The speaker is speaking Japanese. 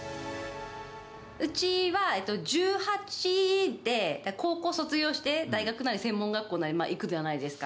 うちは１８で高校卒業して、大学なり専門学校なり行くじゃないですか。